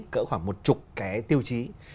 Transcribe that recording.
cỡ khoảng một chục cái tiêu chí